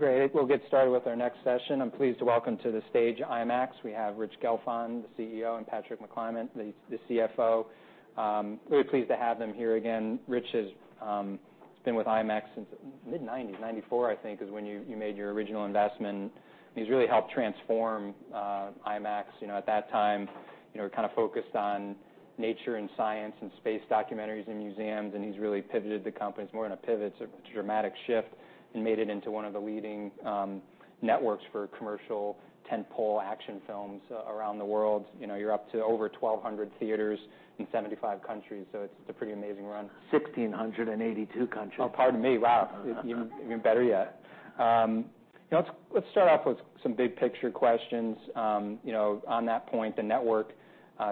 Great. I think we'll get started with our next session. I'm pleased to welcome to the stage IMAX. We have Rich Gelfond, the CEO, and Patrick McClymont, the CFO. Really pleased to have them here again. Rich has been with IMAX since mid-1990s, 1994 I think is when you made your original investment. He's really helped transform IMAX, you know, at that time. You know, we're kind of focused on nature and science and space documentaries and museums, and he's really pivoted the company. It's more than a pivot. It's a dramatic shift and made it into one of the leading networks for commercial tentpole action films around the world. You know, you're up to over 1,200 theaters in 75 countries, so it's a pretty amazing run. 1,682 countries. Oh, pardon me. Wow. Uh-huh. Even better yet. You know, let's start off with some big picture questions. You know, on that point, the network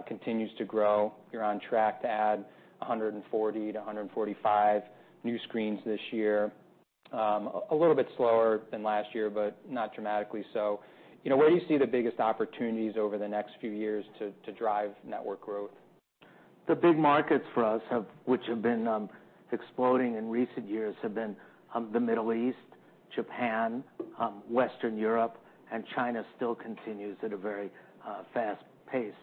continues to grow. You're on track to add 140-145 new screens this year. A little bit slower than last year, but not dramatically so. You know, where do you see the biggest opportunities over the next few years to drive network growth? The big markets for us, which have been exploding in recent years, have been the Middle East, Japan, Western Europe, and China still continues at a very fast pace.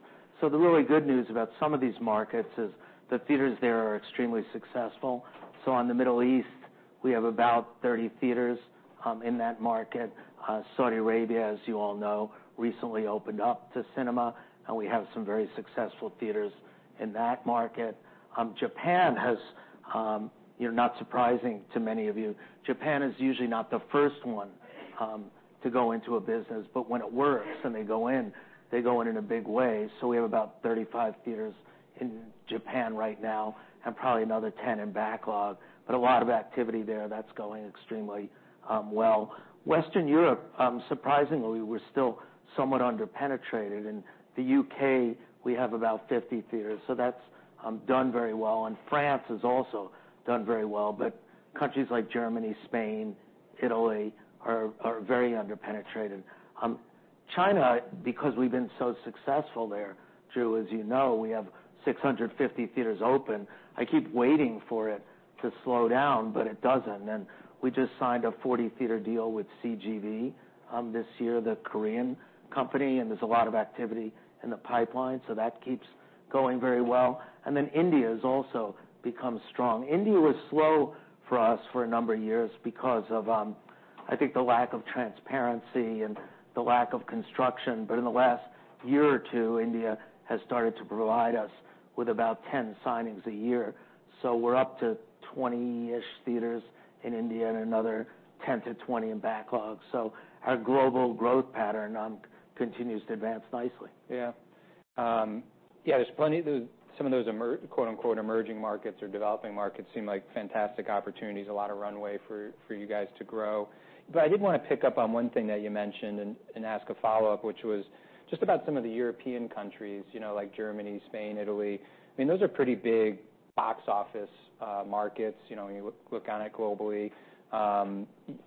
So the really good news about some of these markets is the theaters there are extremely successful. So on the Middle East, we have about 30 theaters in that market. Saudi Arabia, as you all know, recently opened up to cinema, and we have some very successful theaters in that market. Japan, you know, not surprising to many of you, Japan is usually not the first one to go into a business, but when it works and they go in, they go in in a big way. So we have about 35 theaters in Japan right now and probably another 10 in backlog, but a lot of activity there that's going extremely well. Western Europe, surprisingly, we're still somewhat under-penetrated. In the U.K., we have about 50 theaters, so that's done very well. And France has also done very well, but countries like Germany, Spain, Italy are very under-penetrated. China, because we've been so successful there, Drew, as you know, we have 650 theaters open. I keep waiting for it to slow down, but it doesn't. And we just signed a 40-theater deal with CGV, this year, the Korean company, and there's a lot of activity in the pipeline, so that keeps going very well. And then India has also become strong. India was slow for us for a number of years because of, I think the lack of transparency and the lack of construction, but in the last year or two, India has started to provide us with about 10 signings a year. So we're up to 20-ish theaters in India and another 10 to 20 in backlog. So our global growth pattern continues to advance nicely. Yeah. Yeah, there's plenty of those, some of those quote-unquote emerging markets or developing markets seem like fantastic opportunities, a lot of runway for you guys to grow. But I did want to pick up on one thing that you mentioned and ask a follow-up, which was just about some of the European countries, you know, like Germany, Spain, Italy. I mean, those are pretty big box office markets, you know, when you look at it globally.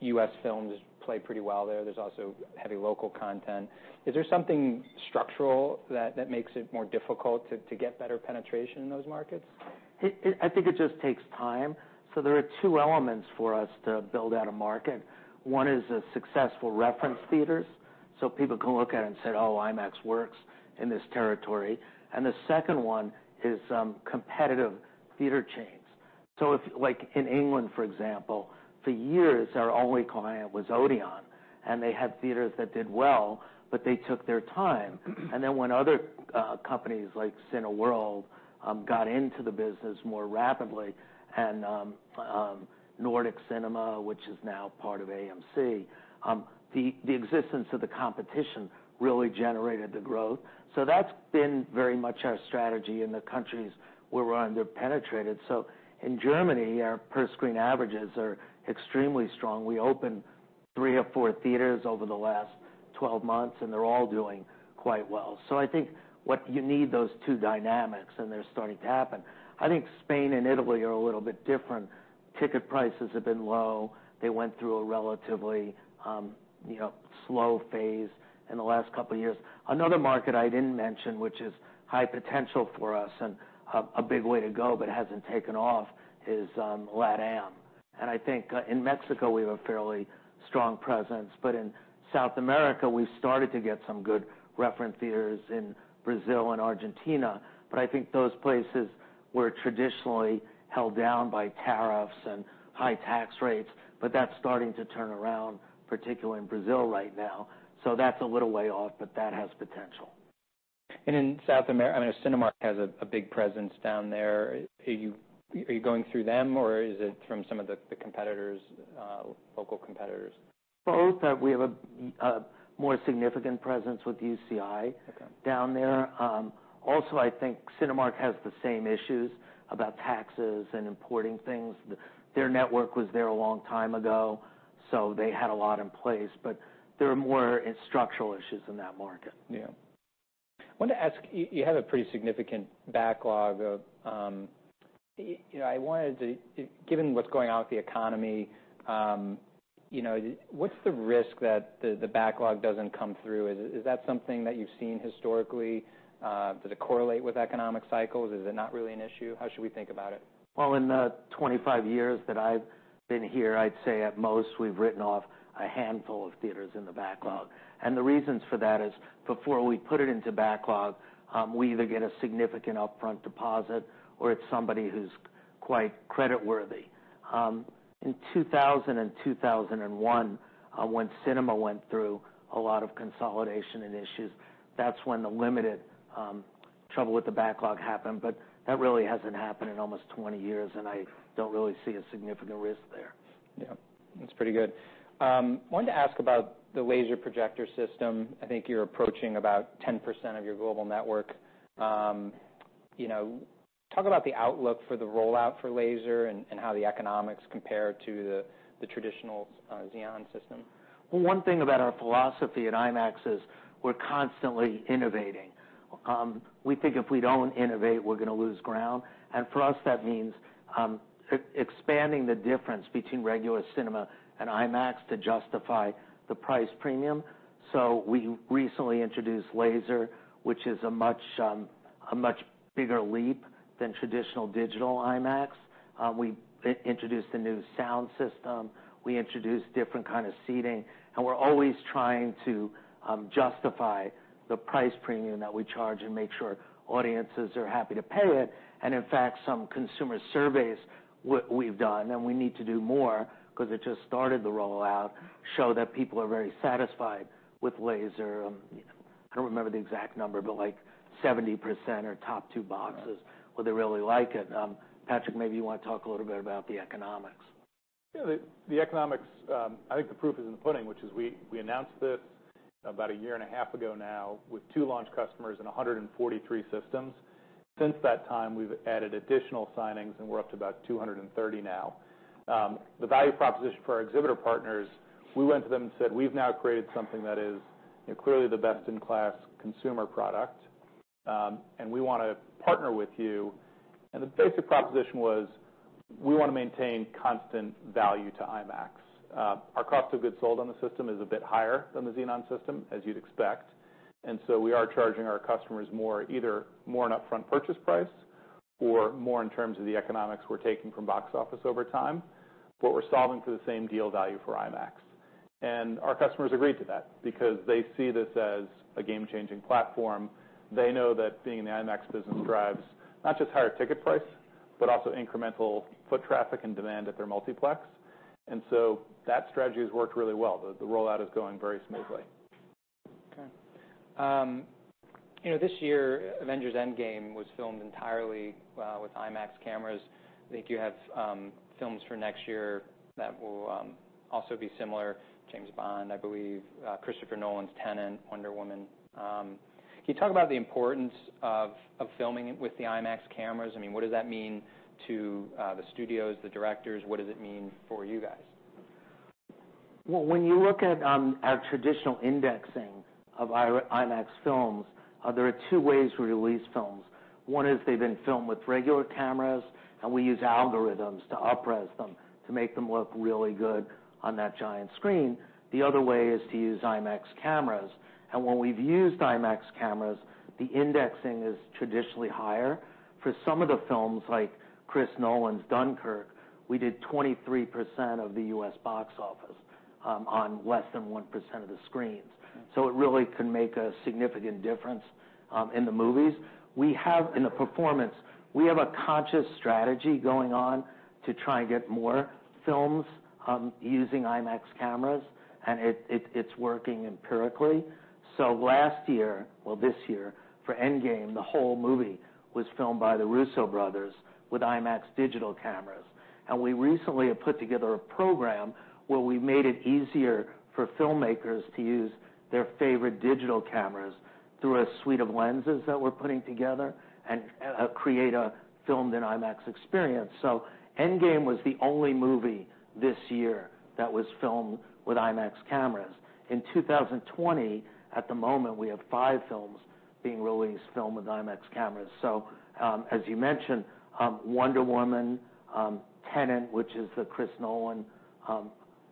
U.S. films play pretty well there. There's also heavy local content. Is there something structural that makes it more difficult to get better penetration in those markets? It, I think it just takes time. There are two elements for us to build out a market. One is the successful reference theaters, so people can look at it and say, "Oh, IMAX works in this territory." The second one is competitive theater chains. Like in England, for example, for years, our only client was Odeon, and they had theaters that did well, but they took their time. Then when other companies like Cineworld got into the business more rapidly, and Nordic Cinema, which is now part of AMC, the existence of the competition really generated the growth. That's been very much our strategy in the countries where we're under-penetrated. In Germany, our per-screen averages are extremely strong. We opened three or four theaters over the last 12 months, and they're all doing quite well. So I think what you need are those two dynamics, and they're starting to happen. I think Spain and Italy are a little bit different. Ticket prices have been low. They went through a relatively, you know, slow phase in the last couple of years. Another market I didn't mention, which is high potential for us and a big way to go but hasn't taken off, is LATAM. And I think, in Mexico, we have a fairly strong presence, but in South America, we've started to get some good reference theaters in Brazil and Argentina. But I think those places were traditionally held down by tariffs and high tax rates, but that's starting to turn around, particularly in Brazil right now. So that's a little way off, but that has potential. In South America, I mean, Cinemark has a big presence down there. Are you going through them, or is it from some of the competitors, local competitors? Both. We have a more significant presence with UCI. Okay. Down there. Also, I think Cinemark has the same issues about taxes and importing things. Their network was there a long time ago, so they had a lot in place, but there are more structural issues in that market. Yeah. I want to ask you. You have a pretty significant backlog, you know. Given what's going on with the economy, you know, what's the risk that the backlog doesn't come through? Is that something that you've seen historically? Does it correlate with economic cycles? Is it not really an issue? How should we think about it? In the 25 years that I've been here, I'd say at most we've written off a handful of theaters in the backlog. The reasons for that is before we put it into backlog, we either get a significant upfront deposit or it's somebody who's quite creditworthy. In 2000 and 2001, when cinema went through a lot of consolidation and issues, that's when the limited trouble with the backlog happened, but that really hasn't happened in almost 20 years, and I don't really see a significant risk there. Yeah. That's pretty good. I wanted to ask about the laser projector system. I think you're approaching about 10% of your global network. You know, talk about the outlook for the rollout for laser and how the economics compare to the traditional XENON System. One thing about our philosophy at IMAX is we're constantly innovating. We think if we don't innovate, we're going to lose ground. For us, that means expanding the difference between regular cinema and IMAX to justify the price premium. We recently introduced laser, which is a much bigger leap than traditional digital IMAX. We introduced a new sound system. We introduced different kinds of seating, and we're always trying to justify the price premium that we charge and make sure audiences are happy to pay it. In fact, some consumer surveys we've done, and we need to do more because it just started the rollout, show that people are very satisfied with laser. I don't remember the exact number, but like 70% are top two boxes where they really like it. Patrick, maybe you want to talk a little bit about the economics. Yeah. The economics, I think the proof is in the pudding, which is, we announced this about a year and a half ago now with two launch customers and 143 systems. Since that time, we've added additional signings, and we're up to about 230 now. The value proposition for our exhibitor partners, we went to them and said, "We've now created something that is, you know, clearly the best-in-class consumer product, and we want to partner with you." And the basic proposition was, "We want to maintain constant value to IMAX." Our cost of goods sold on the system is a bit higher than the XENON System, as you'd expect, and so we are charging our customers more either in upfront purchase price or more in terms of the economics we're taking from box office over time, but we're solving for the same deal value for IMAX. Our customers agreed to that because they see this as a game-changing platform. They know that being in the IMAX business drives not just higher ticket price but also incremental foot traffic and demand at their multiplex. That strategy has worked really well. The rollout is going very smoothly. Okay. You know, this year, Avengers: Endgame was filmed entirely with IMAX cameras. I think you have films for next year that will also be similar: James Bond, I believe, Christopher Nolan's Tenet, Wonder Woman. Can you talk about the importance of filming with the IMAX cameras? I mean, what does that mean to the studios, the directors? What does it mean for you guys? When you look at our traditional indexing of IMAX films, there are two ways we release films. One is they've been filmed with regular cameras, and we use algorithms to up-res them to make them look really good on that giant screen. The other way is to use IMAX cameras. And when we've used IMAX cameras, the indexing is traditionally higher. For some of the films, like Chris Nolan's Dunkirk, we did 23% of the U.S. box office on less than 1% of the screens. It really can make a significant difference in the movies. In the performance, we have a conscious strategy going on to try and get more films using IMAX cameras, and it's working empirically. Last year, well, this year, for Endgame, the whole movie was filmed by the Russo brothers with IMAX digital cameras. We recently have put together a program where we've made it easier for filmmakers to use their favorite digital cameras through a suite of lenses that we're putting together and create a filmed-in-IMAX experience. Endgame was the only movie this year that was filmed with IMAX cameras. In 2020, at the moment, we have five films being released, filmed with IMAX cameras. As you mentioned, Wonder Woman, Tenet, which is the Chris Nolan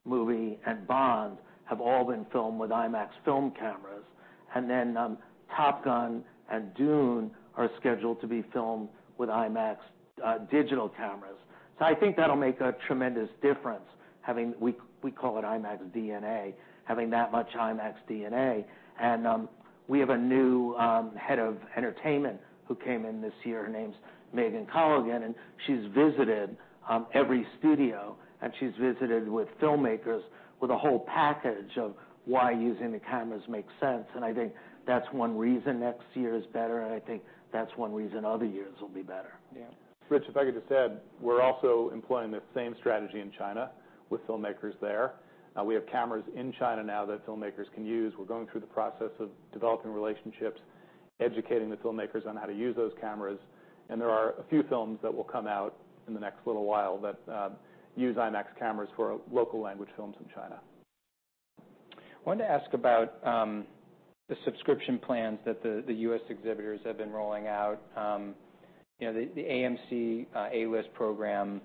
movie, and Bond have all been filmed with IMAX film cameras. Top Gun and Dune are scheduled to be filmed with IMAX digital cameras. I think that'll make a tremendous difference having, we call it IMAX DNA, having that much IMAX DNA. We have a new Head of Entertainment who came in this year. Her name's Megan Colligan, and she's visited every studio, and she's visited with filmmakers with a whole package of why using the cameras makes sense. I think that's one reason next year is better, and I think that's one reason other years will be better. Yeah. Rich, if I could just add, we're also employing the same strategy in China with filmmakers there. We have cameras in China now that filmmakers can use. We're going through the process of developing relationships, educating the filmmakers on how to use those cameras. And there are a few films that will come out in the next little while that use IMAX cameras for local-language films in China. I wanted to ask about the subscription plans that the US exhibitors have been rolling out. You know, the AMC A-List program,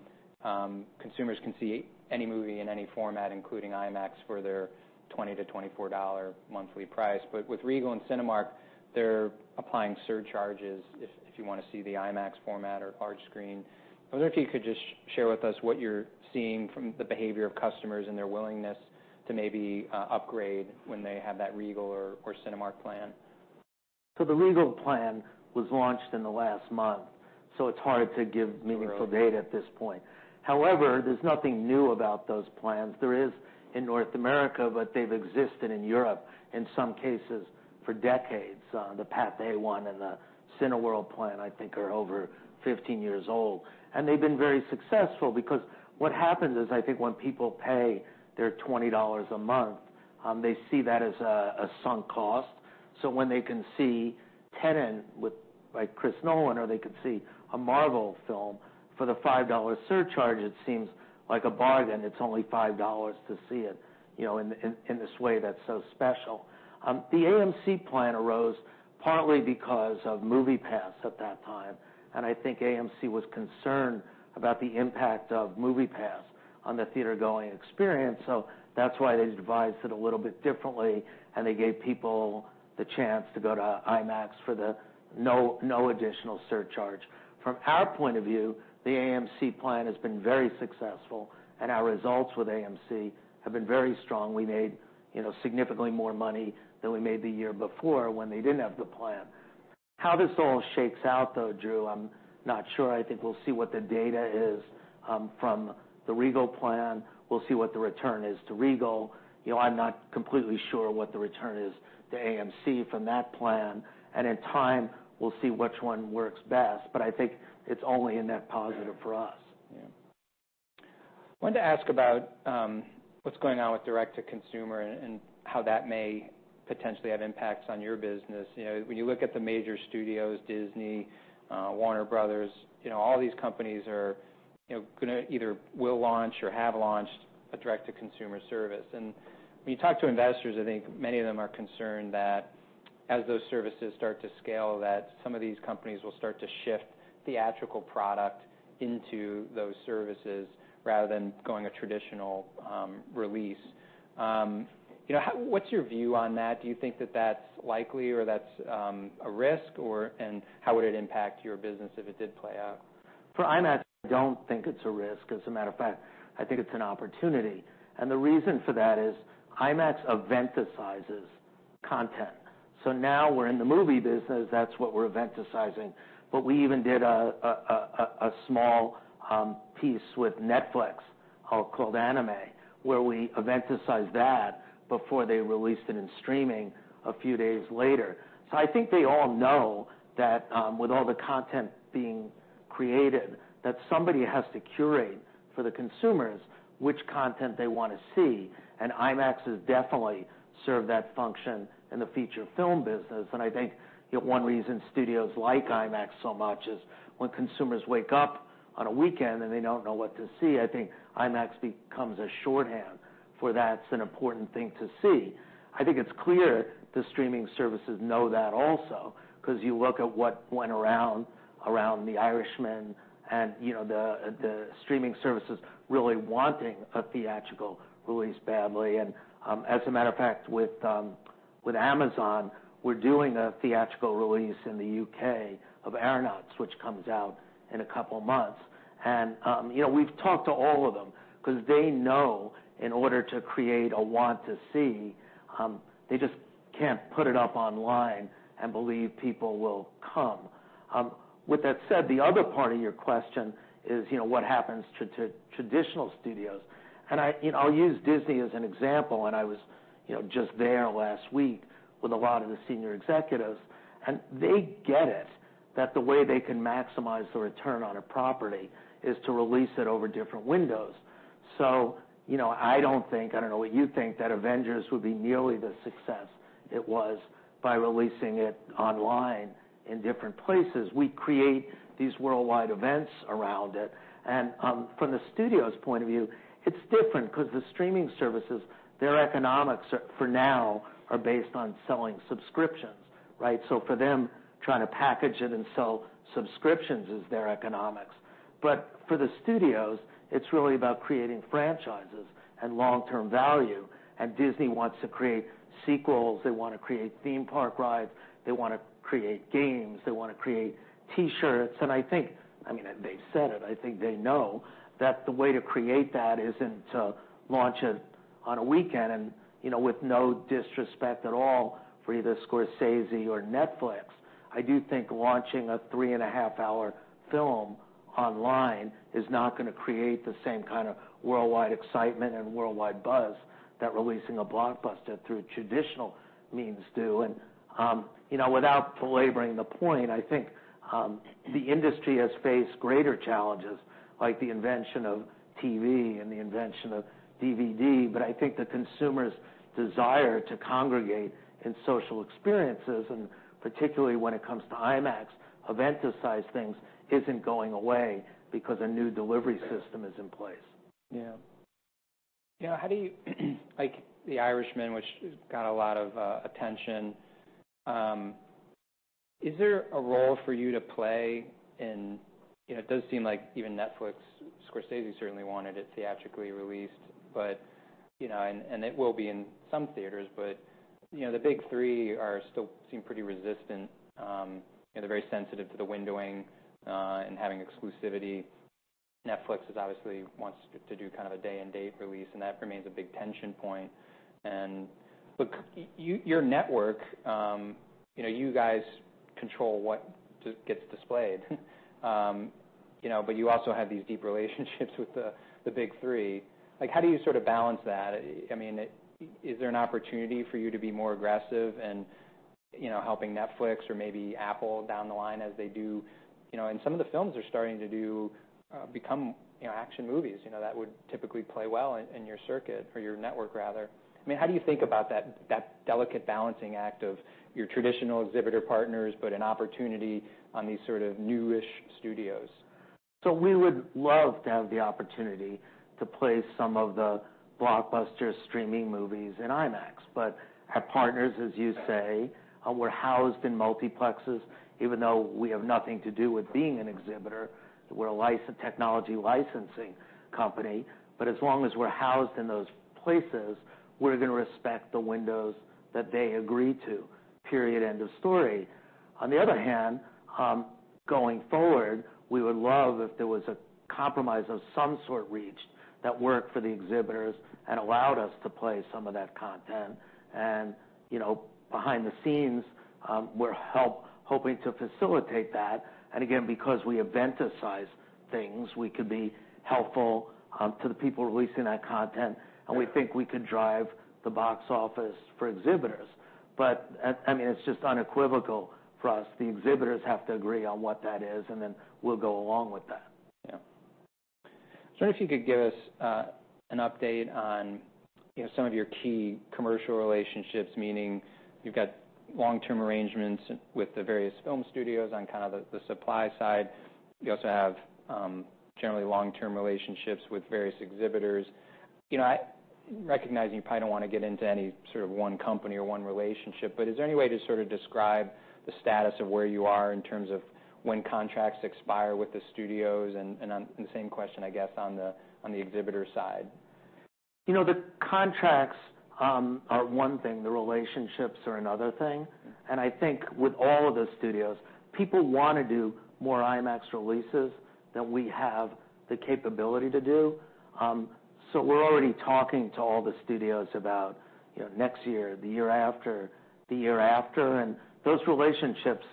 consumers can see any movie in any format, including IMAX, for their $20-$24 monthly price. But with Regal and Cinemark, they're applying surcharges if you want to see the IMAX format or large screen. I wonder if you could just share with us what you're seeing from the behavior of customers and their willingness to maybe upgrade when they have that Regal or Cinemark plan. So the Regal plan was launched in the last month, so it's hard to give meaningful data at this point. However, there's nothing new about those plans. There is in North America, but they've existed in Europe in some cases for decades. The Pathé and the Cineworld plan, I think, are over 15 years old. And they've been very successful because what happens is I think when people pay their $20 a month, they see that as a sunk cost. So when they can see Tenet with, like, Chris Nolan, or they could see a Marvel film for the $5 surcharge, it seems like a bargain. It's only $5 to see it, you know, in this way that's so special. The AMC plan arose partly because of MoviePass at that time, and I think AMC was concerned about the impact of MoviePass on the theater-going experience. So that's why they devised it a little bit differently, and they gave people the chance to go to IMAX for no additional surcharge. From our point of view, the AMC plan has been very successful, and our results with AMC have been very strong. We made, you know, significantly more money than we made the year before when they didn't have the plan. How this all shakes out, though, Drew, I'm not sure. I think we'll see what the data is from the Regal plan. We'll see what the return is to Regal. You know, I'm not completely sure what the return is to AMC from that plan. And in time, we'll see which one works best, but I think it's only a net positive for us. Yeah. I wanted to ask about what's going on with direct-to-consumer and how that may potentially have impacts on your business. You know, when you look at the major studios, Disney, Warner Bros., you know, all these companies are, you know, going to either will launch or have launched a direct-to-consumer service. And when you talk to investors, I think many of them are concerned that as those services start to scale, that some of these companies will start to shift theatrical product into those services rather than going a traditional release. You know, how what's your view on that? Do you think that that's likely or that's a risk, or and how would it impact your business if it did play out? For IMAX, I don't think it's a risk. As a matter of fact, I think it's an opportunity. And the reason for that is IMAX eventicizes content. So now we're in the movie business. That's what we're eventicizing. But we even did a small piece with Netflix, called Anima, where we eventicized that before they released it in streaming a few days later. So I think they all know that, with all the content being created, that somebody has to curate for the consumers which content they want to see. And IMAX has definitely served that function in the feature film business. And I think, you know, one reason studios like IMAX so much is when consumers wake up on a weekend and they don't know what to see, I think IMAX becomes a shorthand for that's an important thing to see. I think it's clear the streaming services know that also because you look at what went around The Irishman and, you know, the streaming services really wanting a theatrical release badly. And, as a matter of fact, with Amazon, we're doing a theatrical release in the UK of The Aeronauts, which comes out in a couple of months. And, you know, we've talked to all of them because they know in order to create a want-to-see, they just can't put it up online and believe people will come. With that said, the other part of your question is, you know, what happens to traditional studios? I, you know, I'll use Disney as an example, and I was, you know, just there last week with a lot of the senior executives, and they get it that the way they can maximize the return on a property is to release it over different windows. So, you know, I don't think, I don't know what you think, that Avengers would be nearly the success it was by releasing it online in different places. We create these worldwide events around it. From the studio's point of view, it's different because the streaming services, their economics for now are based on selling subscriptions, right? So for them, trying to package it and sell subscriptions is their economics. But for the studios, it's really about creating franchises and long-term value. Disney wants to create sequels. They want to create theme park rides. They want to create games. They want to create T-shirts. And I think, I mean, they've said it. I think they know that the way to create that isn't to launch it on a weekend. And, you know, with no disrespect at all for either Scorsese or Netflix, I do think launching a three-and-a-half-hour film online is not going to create the same kind of worldwide excitement and worldwide buzz that releasing a blockbuster through traditional means do. And, you know, without belaboring the point, I think the industry has faced greater challenges like the invention of TV and the invention of DVD, but I think the consumer's desire to congregate in social experiences, and particularly when it comes to IMAX, eventicized things, isn't going away because a new delivery system is in place. Yeah. You know, how do you, like, The Irishman, which got a lot of attention, is there a role for you to play in? You know, it does seem like even Netflix, Scorsese certainly wanted it theatrically released, but, you know, and it will be in some theaters, but, you know, the big three are still seem pretty resistant. You know, they're very sensitive to the windowing, and having exclusivity. Netflix obviously wants to do kind of a day-and-date release, and that remains a big tension point. And, look, your network, you know, you guys control what gets displayed. You know, but you also have these deep relationships with the big three. Like, how do you sort of balance that? I mean, is there an opportunity for you to be more aggressive and, you know, helping Netflix or maybe Apple down the line as they do, you know, and some of the films are starting to do, become, you know, action movies, you know, that would typically play well in your circuit or your network, rather? I mean, how do you think about that delicate balancing act of your traditional exhibitor partners but an opportunity on these sort of new-ish studios? So we would love to have the opportunity to play some of the blockbuster streaming movies in IMAX, but our partners, as you say, we're housed in multiplexes, even though we have nothing to do with being an exhibitor. We're a licensed technology licensing company, but as long as we're housed in those places, we're going to respect the windows that they agree to. Period. End of story. On the other hand, going forward, we would love if there was a compromise of some sort reached that worked for the exhibitors and allowed us to play some of that content. And, you know, behind the scenes, we're hoping to facilitate that. And again, because we eventicize things, we could be helpful to the people releasing that content, and we think we could drive the box office for exhibitors. But, I mean, it's just unequivocal for us. The exhibitors have to agree on what that is, and then we'll go along with that. Yeah. I was wondering if you could give us an update on, you know, some of your key commercial relationships, meaning you've got long-term arrangements with the various film studios on kind of the supply side. You also have, generally long-term relationships with various exhibitors. You know, I recognize you probably don't want to get into any sort of one company or one relationship, but is there any way to sort of describe the status of where you are in terms of when contracts expire with the studios and on the same question, I guess, on the exhibitor side? You know, the contracts are one thing. The relationships are another thing. And I think with all of the studios, people want to do more IMAX releases than we have the capability to do, so we're already talking to all the studios about, you know, next year, the year after, the year after. And those relationships,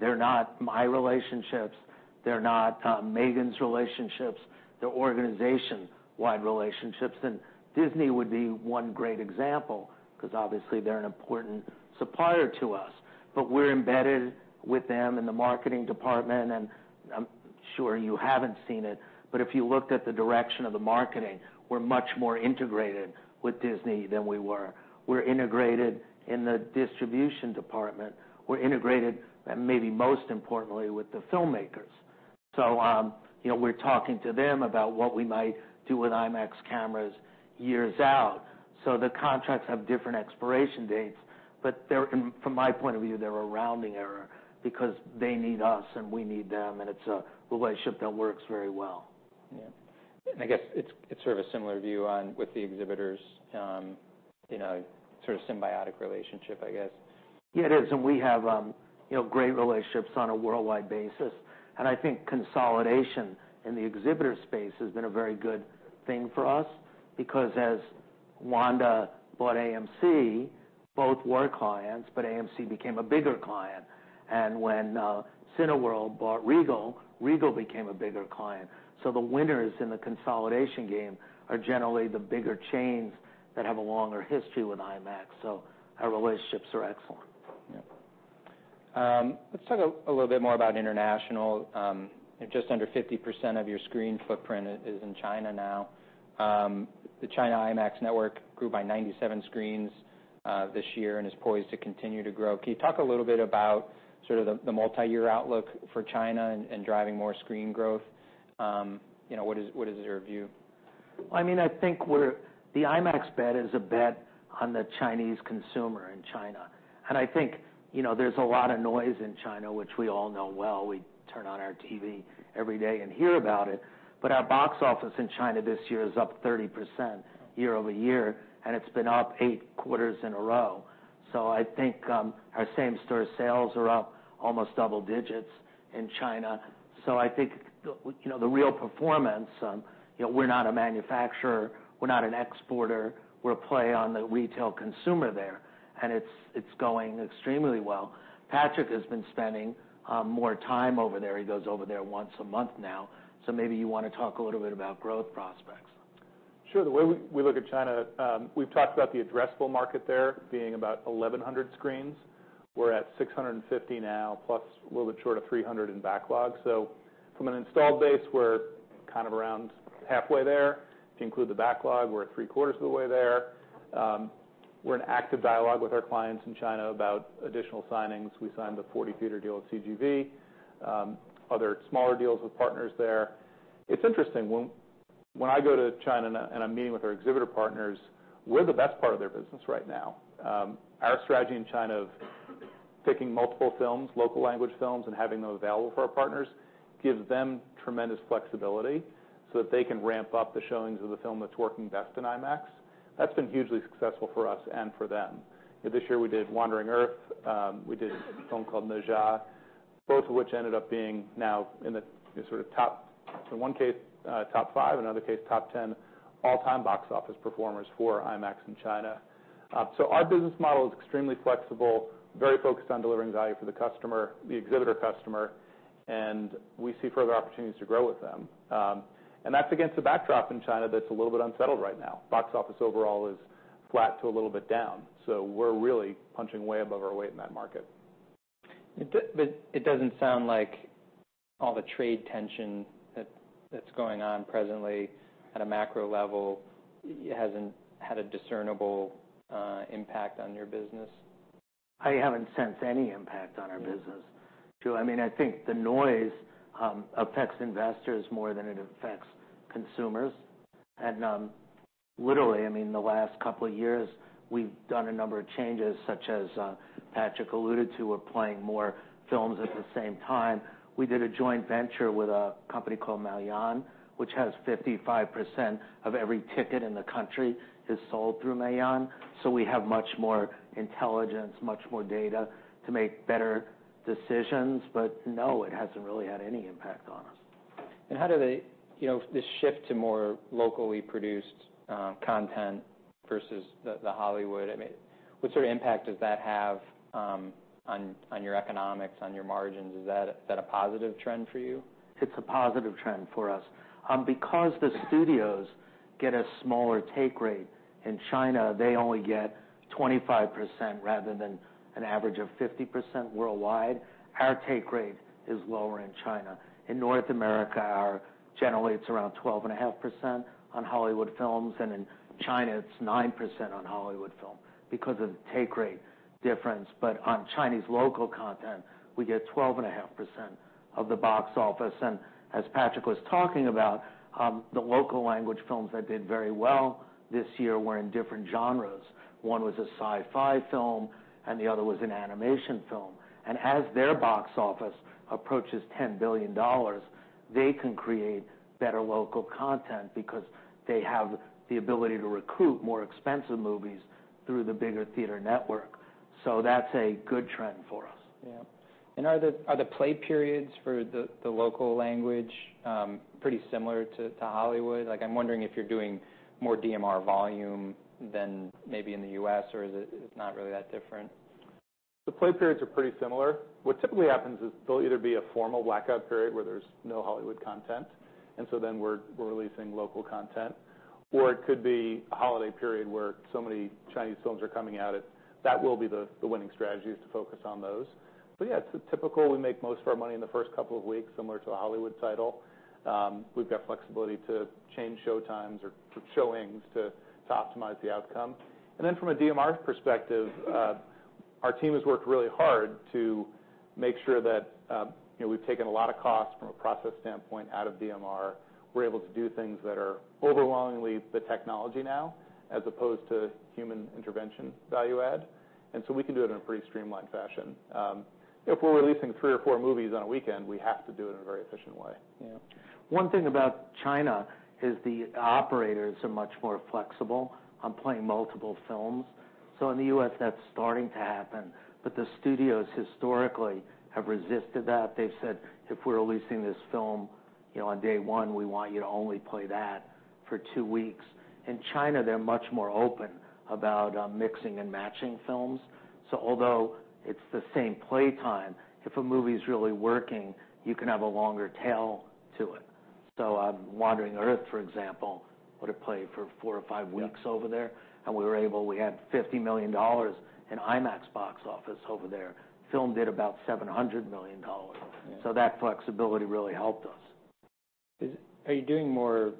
they're not my relationships. They're not Megan's relationships. They're organization-wide relationships. And Disney would be one great example because obviously they're an important supplier to us. But we're embedded with them in the marketing department. And I'm sure you haven't seen it, but if you looked at the direction of the marketing, we're much more integrated with Disney than we were. We're integrated in the distribution department. We're integrated, and maybe most importantly, with the filmmakers. So, you know, we're talking to them about what we might do with IMAX cameras years out. The contracts have different expiration dates, but they're, from my point of view, a rounding error because they need us and we need them, and it's a relationship that works very well. Yeah, and I guess it's sort of a similar view on with the exhibitors, you know, sort of symbiotic relationship, I guess. Yeah, it is. And we have, you know, great relationships on a worldwide basis. And I think consolidation in the exhibitor space has been a very good thing for us because as Wanda bought AMC, both were clients, but AMC became a bigger client. And when Cineworld bought Regal, Regal became a bigger client. So the winners in the consolidation game are generally the bigger chains that have a longer history with IMAX. So our relationships are excellent. Yeah. Let's talk a little bit more about international. Just under 50% of your screen footprint is in China now. The China IMAX Network grew by 97 screens this year and is poised to continue to grow. Can you talk a little bit about sort of the multi-year outlook for China and driving more screen growth? You know, what is your view? I mean, I think the IMAX bet is a bet on the Chinese consumer in China. And I think, you know, there's a lot of noise in China, which we all know well. We turn on our TV every day and hear about it. But our box office in China this year is up 30% year over year, and it's been up eight quarters in a row. So I think, our same-store sales are up almost double digits in China. So I think, you know, the real performance, you know, we're not a manufacturer. We're not an exporter. We're a play on the retail consumer there. And it's, it's going extremely well. Patrick has been spending more time over there. He goes over there once a month now. So maybe you want to talk a little bit about growth prospects. Sure. The way we look at China, we've talked about the addressable market there being about 1,100 screens. We're at 650 now, plus a little bit short of 300 in backlog. So from an installed base, we're kind of around halfway there. If you include the backlog, we're at three-quarters of the way there. We're in active dialogue with our clients in China about additional signings. We signed the 40-theater deal with CGV, other smaller deals with partners there. It's interesting. When I go to China and I'm meeting with our exhibitor partners, we're the best part of their business right now. Our strategy in China of picking multiple films, local language films, and having them available for our partners gives them tremendous flexibility so that they can ramp up the showings of the film that's working best in IMAX. That's been hugely successful for us and for them. This year we did The Wandering Earth. We did a film called Ne Zha, both of which ended up being now in the, you know, sort of top, in one case, top five, in another case, top 10 all-time box office performers for IMAX in China. So our business model is extremely flexible, very focused on delivering value for the customer, the exhibitor customer, and we see further opportunities to grow with them. And that's against a backdrop in China that's a little bit unsettled right now. Box office overall is flat to a little bit down. So we're really punching way above our weight in that market. It does, but it doesn't sound like all the trade tension that's going on presently at a macro level hasn't had a discernible impact on your business. I haven't sensed any impact on our business. I mean, I think the noise affects investors more than it affects consumers, and literally, I mean, the last couple of years, we've done a number of changes such as Patrick alluded to. We're playing more films at the same time. We did a joint venture with a company called Maoyan, which has 55% of every ticket in the country is sold through Maoyan. So we have much more intelligence, much more data to make better decisions. But no, it hasn't really had any impact on us. How do they, you know, this shift to more locally produced content versus the Hollywood, I mean, what sort of impact does that have on your economics, on your margins? Is that a positive trend for you? It's a positive trend for us because the studios get a smaller take rate in China. They only get 25% rather than an average of 50% worldwide. Our take rate is lower in China. In North America, our generally it's around 12.5% on Hollywood films, and in China, it's 9% on Hollywood films because of the take rate difference, but on Chinese local content, we get 12.5% of the box office, and as Patrick was talking about, the local language films that did very well this year were in different genres. One was a sci-fi film, and the other was an animation film, and as their box office approaches $10 billion, they can create better local content because they have the ability to recruit more expensive movies through the bigger theater network, so that's a good trend for us. Yeah, and are the play periods for the local language pretty similar to Hollywood? Like, I'm wondering if you're doing more DMR volume than maybe in the U.S., or is it not really that different? The play periods are pretty similar. What typically happens is there'll either be a formal blackout period where there's no Hollywood content, and so then we're releasing local content, or it could be a holiday period where so many Chinese films are coming out. That will be the winning strategy is to focus on those. But yeah, it's typical. We make most of our money in the first couple of weeks, similar to a Hollywood title. We've got flexibility to change showtimes or showings to optimize the outcome, and then from a DMR perspective, our team has worked really hard to make sure that, you know, we've taken a lot of costs from a process standpoint out of DMR. We're able to do things that are overwhelmingly the technology now as opposed to human intervention value add. And so we can do it in a pretty streamlined fashion. You know, if we're releasing three or four movies on a weekend, we have to do it in a very efficient way. Yeah. One thing about China is the operators are much more flexible on playing multiple films. So in the US, that's starting to happen. But the studios historically have resisted that. They've said, "If we're releasing this film, you know, on day one, we want you to only play that for two weeks." In China, they're much more open about mixing and matching films. So although it's the same playtime, if a movie's really working, you can have a longer tail to it. So Wandering Earth, for example, would have played for four or five weeks over there. And we were able, we had $50 million in IMAX box office over there. Film did about $700 million. So that flexibility really helped us. Are you doing more,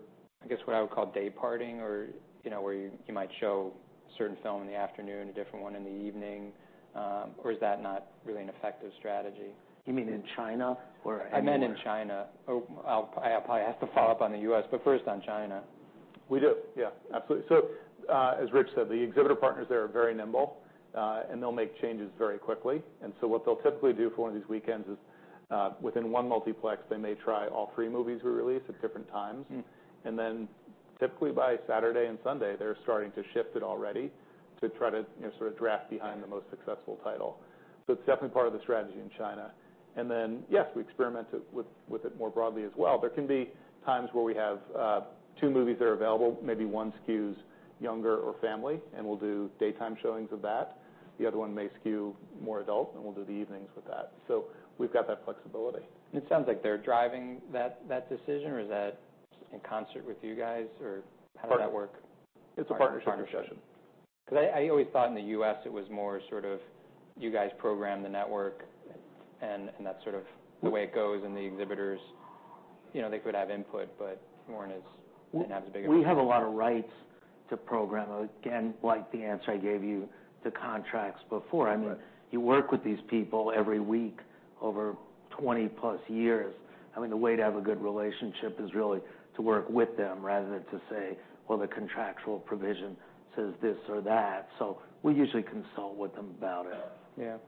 I guess, what I would call day parting or, you know, where you might show a certain film in the afternoon, a different one in the evening, or is that not really an effective strategy? You mean in China, or I mean. I meant in China. Oh, I'll, I'll probably have to follow up on the U.S., but first on China. We do. Yeah. Absolutely. So, as Rich said, the exhibitor partners there are very nimble, and they'll make changes very quickly. And so what they'll typically do for one of these weekends is, within one multiplex, they may try all three movies we release at different times. And then typically by Saturday and Sunday, they're starting to shift it already to try to, you know, sort of draft behind the most successful title. So it's definitely part of the strategy in China. And then, yes, we experiment with it more broadly as well. There can be times where we have, two movies that are available, maybe one skews younger or family, and we'll do daytime showings of that. The other one may skew more adult, and we'll do the evenings with that. So we've got that flexibility. It sounds like they're driving that, that decision, or is that in concert with you guys, or how does that work? Correct. It's a partnership. It's a partnership. Partnership. Because I always thought in the U.S. it was more sort of you guys program the network and that's sort of the way it goes, and the exhibitors, you know, they could have input, but Warner Bros. didn't have as big of an input. We have a lot of rights to program. Again, like the answer I gave you to contracts before. I mean, you work with these people every week over 20-plus years. I mean, the way to have a good relationship is really to work with them rather than to say, "Well, the contractual provision says this or that." So we usually consult with them about it.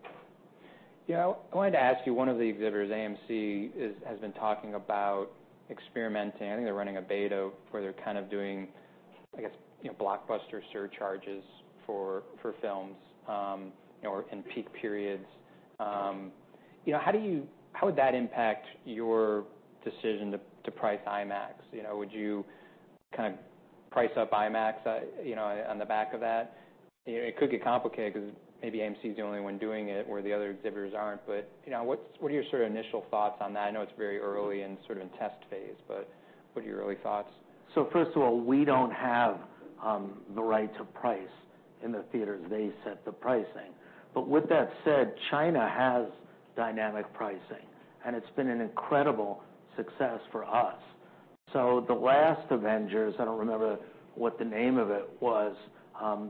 Yeah. Yeah. I wanted to ask you, one of the exhibitors, AMC, has been talking about experimenting. I think they're running a beta where they're kind of doing, I guess, you know, blockbuster surcharges for films, you know, in peak periods. You know, how would that impact your decision to price IMAX? You know, would you kind of price up IMAX, you know, on the back of that? You know, it could get complicated because maybe AMC's the only one doing it where the other exhibitors aren't. But, you know, what are your sort of initial thoughts on that? I know it's very early and sort of in test phase, but what are your early thoughts? So first of all, we don't have the right to price in the theaters. They set the pricing. But with that said, China has dynamic pricing, and it's been an incredible success for us. So the last Avengers, I don't remember what the name of it was,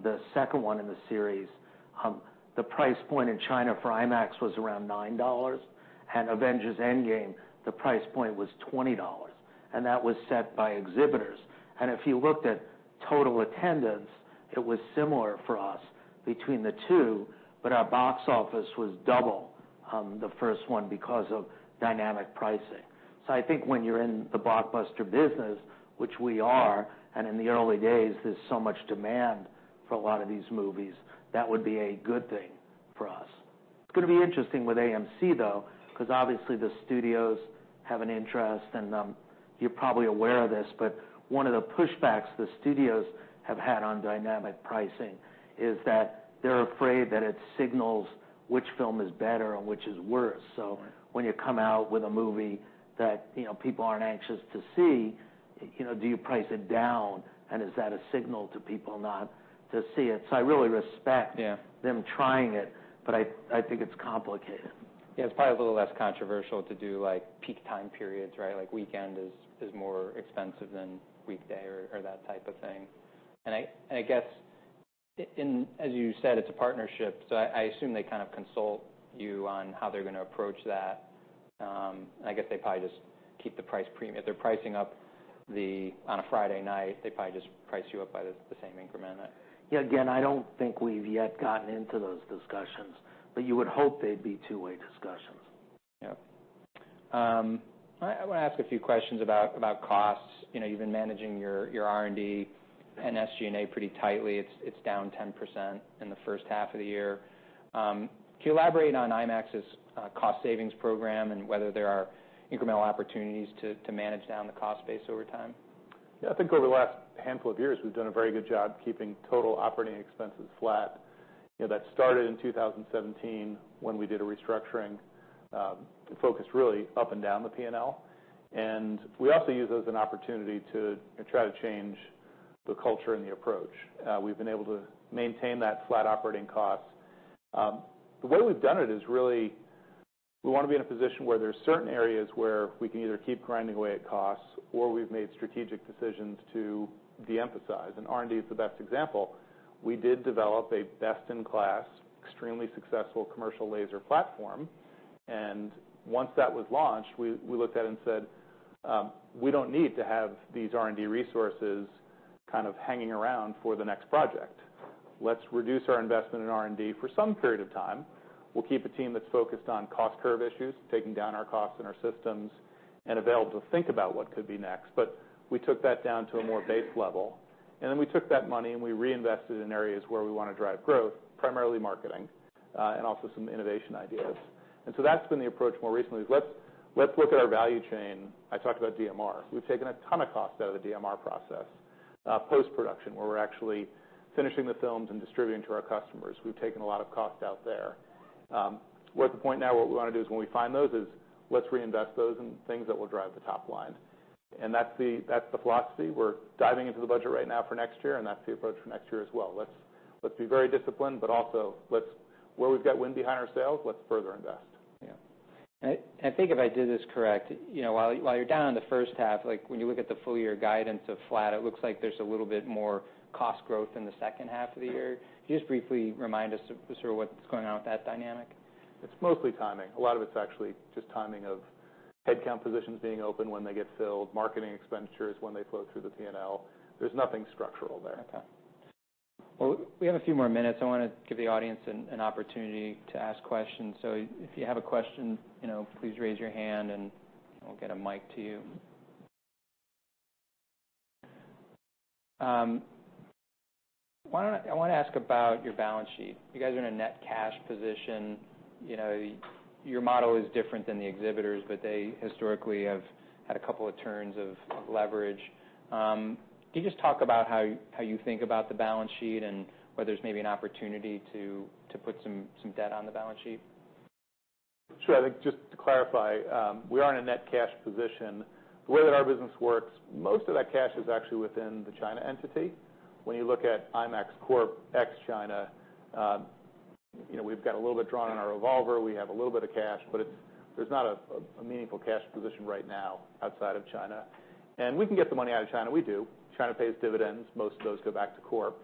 the second one in the series, the price point in China for IMAX was around $9. And Avengers: Endgame, the price point was $20. And that was set by exhibitors. And if you looked at total attendance, it was similar for us between the two, but our box office was double the first one because of dynamic pricing. So I think when you're in the blockbuster business, which we are, and in the early days, there's so much demand for a lot of these movies, that would be a good thing for us. It's going to be interesting with AMC, though, because obviously the studios have an interest, and, you're probably aware of this, but one of the pushbacks the studios have had on dynamic pricing is that they're afraid that it signals which film is better and which is worse. So when you come out with a movie that, you know, people aren't anxious to see, you know, do you price it down, and is that a signal to people not to see it? So I really respect. Yeah. Them trying it, but I, I think it's complicated. Yeah. It's probably a little less controversial to do, like, peak time periods, right? Like, weekend is more expensive than weekday or that type of thing. And I guess, in, as you said, it's a partnership. So I assume they kind of consult you on how they're going to approach that. And I guess they probably just keep the price premium. If they're pricing up on a Friday night, they probably just price you up by the same increment. Yeah. Again, I don't think we've yet gotten into those discussions, but you would hope they'd be two-way discussions. Yeah. I want to ask a few questions about costs. You know, you've been managing your R&D and SG&A pretty tightly. It's down 10% in the first half of the year. Can you elaborate on IMAX's cost savings program and whether there are incremental opportunities to manage down the cost base over time? Yeah. I think over the last handful of years, we've done a very good job keeping total operating expenses flat. You know, that started in 2017 when we did a restructuring, focused really up and down the P&L. And we also use it as an opportunity to try to change the culture and the approach. We've been able to maintain that flat operating cost. The way we've done it is really we want to be in a position where there's certain areas where we can either keep grinding away at costs or we've made strategic decisions to de-emphasize. And R&D is the best example. We did develop a best-in-class, extremely successful commercial laser platform. And once that was launched, we looked at it and said, we don't need to have these R&D resources kind of hanging around for the next project. Let's reduce our investment in R&D for some period of time. We'll keep a team that's focused on cost curve issues, taking down our costs and our systems, and available to think about what could be next. But we took that down to a more base level. And then we took that money and we reinvested in areas where we want to drive growth, primarily marketing, and also some innovation ideas. And so that's been the approach more recently is let's look at our value chain. I talked about DMR. We've taken a ton of cost out of the DMR process, post-production where we're actually finishing the films and distributing to our customers. We've taken a lot of cost out there. We're at the point now where what we want to do is when we find those is let's reinvest those in things that will drive the top line. That's the philosophy. We're diving into the budget right now for next year, and that's the approach for next year as well. Let's be very disciplined, but also let's, where we've got wind behind our sails, let's further invest. Yeah, and I think if I did this correct, you know, while you're down in the first half, like when you look at the full-year guidance of flat, it looks like there's a little bit more cost growth in the second half of the year. Can you just briefly remind us sort of what's going on with that dynamic? It's mostly timing. A lot of it's actually just timing of headcount positions being open when they get filled, marketing expenditures when they flow through the P&L. There's nothing structural there. Okay. Well, we have a few more minutes. I want to give the audience an opportunity to ask questions. So if you have a question, you know, please raise your hand and we'll get a mic to you. Why don't I want to ask about your balance sheet. You guys are in a net cash position. You know, your model is different than the exhibitors, but they historically have had a couple of turns of leverage. Can you just talk about how you think about the balance sheet and whether there's maybe an opportunity to put some debt on the balance sheet? Sure. I think just to clarify, we are in a net cash position. The way that our business works, most of that cash is actually within the China entity. When you look at IMAX Corp. ex-China, you know, we've got a little bit drawn on our revolver. We have a little bit of cash, but it's there not a meaningful cash position right now outside of China. And we can get the money out of China. We do. China pays dividends. Most of those go back to Corp.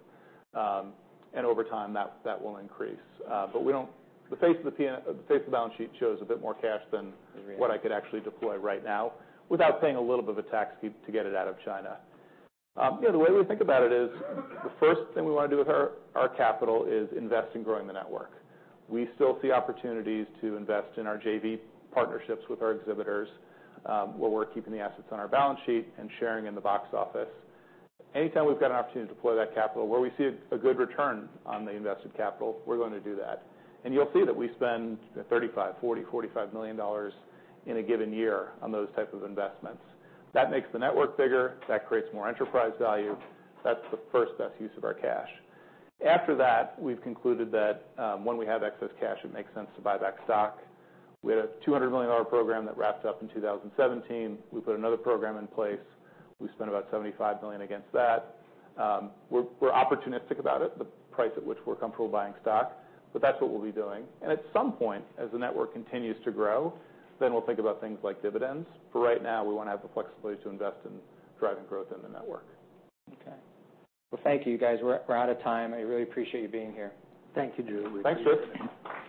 and over time that will increase. But on the face of the P&L, the face of the balance sheet shows a bit more cash than. Is real. What I could actually deploy right now without paying a little bit of a tax to get it out of China. You know, the way we think about it is the first thing we want to do with our capital is invest in growing the network. We still see opportunities to invest in our JV partnerships with our exhibitors, where we're keeping the assets on our balance sheet and sharing in the box office. Anytime we've got an opportunity to deploy that capital where we see a good return on the invested capital, we're going to do that. And you'll see that we spend $35-$45 million in a given year on those types of investments. That makes the network bigger. That creates more enterprise value. That's the first best use of our cash. After that, we've concluded that, when we have excess cash, it makes sense to buy back stock. We had a $200 million program that wrapped up in 2017. We put another program in place. We spent about $75 million against that. We're opportunistic about it, the price at which we're comfortable buying stock, but that's what we'll be doing. And at some point, as the network continues to grow, then we'll think about things like dividends. But right now, we want to have the flexibility to invest in driving growth in the network. Okay. Well, thank you, guys. We're, we're out of time. I really appreciate you being here. Thank you,. Thanks, Rich.